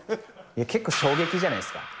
結構衝撃じゃないですか？